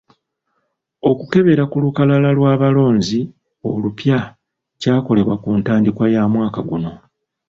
Okukebera ku lukalala lw'abalonzi olupya, kyakolebwa ku ntandikwa ya mwaka guno.